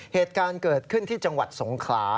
เหตุการณ์เกิดขึ้นที่จังหวัดสงขลา